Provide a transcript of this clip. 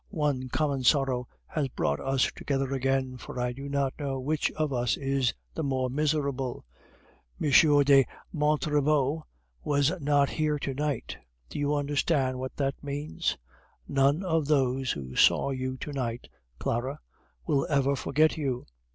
One common sorrow has brought us together again, for I do not know which of us is the more miserable. M. de Montriveau was not here to night; do you understand what that means? None of those who saw you to night, Clara, will ever forget you.